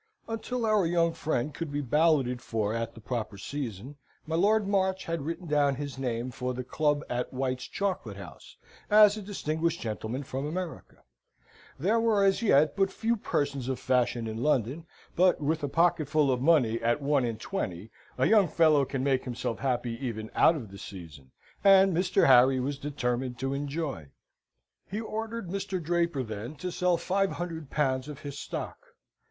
Until our young friend could be balloted for at the proper season, my Lord March had written down his name for the club at White's Chocolate House, as a distinguished gentleman from America. There were as yet but few persons of fashion in London, but with a pocket full of money at one and twenty, a young fellow can make himself happy even out of the season; and Mr. Harry was determined to enjoy. He ordered Mr. Draper, then, to sell five hundred pounds of his stock.